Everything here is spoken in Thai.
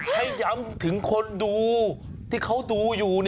ให้ย้ำถึงคนดูที่เขาดูอยู่